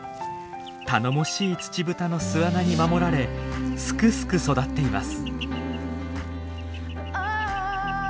頼もしいツチブタの巣穴に守られすくすく育っています。